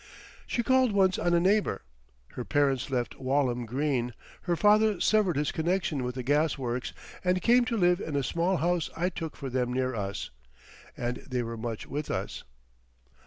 She called once on a neighbour. Her parents left Walham Green—her father severed his connection with the gas works—and came to live in a small house I took for them near us, and they were much with us.